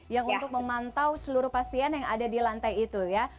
yang untuk memantau seluruh pasien yang ada di lantai itu ya